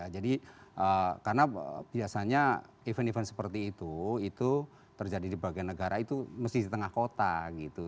jadi karena biasanya event event seperti itu itu terjadi di bagian negara itu meskipun di tengah kota gitu